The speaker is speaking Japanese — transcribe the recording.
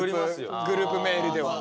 グループメールでは。